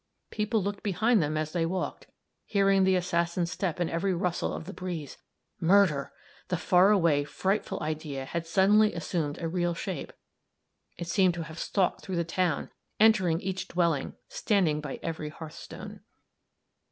People looked behind them as they walked, hearing the assassin's step in every rustle of the breeze. Murder! the far away, frightful idea had suddenly assumed a real shape it seemed to have stalked through the town, entering each dwelling, standing by every hearth stone.